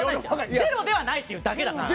ゼロではないというだけだから。